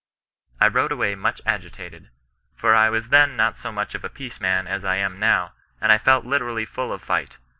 " I rode away much agitated, for I was then not so much of a peace man as I am now, and I felt literally full of fight.